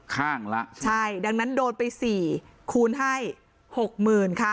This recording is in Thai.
ข้างละใช่ดังนั้นโดนไปสี่คูณให้หกหมื่นค่ะ